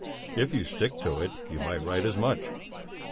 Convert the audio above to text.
If you stick to it, you might write as much."